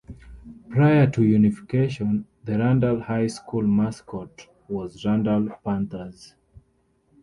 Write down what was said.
Prior to unification, the Randall High School mascot was Randall Panthers.